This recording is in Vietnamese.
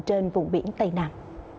trên vùng biển tây nam